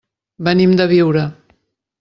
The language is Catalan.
Venim de Biure.